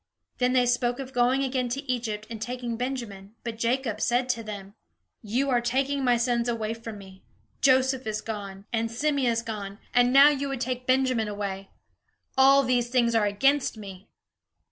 Then they spoke of going again to Egypt and taking Benjamin, but Jacob said to them: "You are taking my sons away from me. Joseph is gone, and Simeon is gone, and now you would take Benjamin away. All these things are against me!"